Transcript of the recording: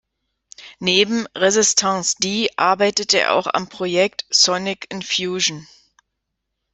Neben "Resistance D" arbeitete er auch am Projekt "Sonic Infusion".